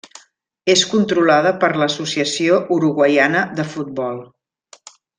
És controlada per l'Associació Uruguaiana de Futbol.